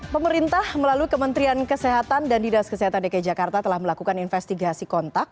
pemerintah melalui kementerian kesehatan dan dinas kesehatan dki jakarta telah melakukan investigasi kontak